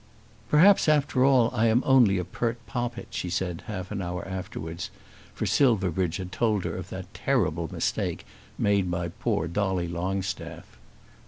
"Perhaps after all I am only a 'pert poppet'," she said half an hour afterwards, for Silverbridge had told her of that terrible mistake made by poor Dolly Longstaff.